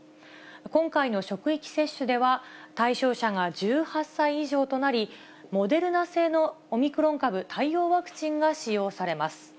今回の職域接種では、対象者が１８歳以上となり、モデルナ製のオミクロン株対応ワクチンが使用されます。